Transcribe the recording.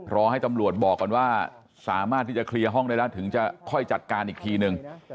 รอให้ตำรวจบอกก่อนว่าสามารถที่จะเคลียร์ห้องได้แล้วถึงจะค่อยจัดการอีกทีนึง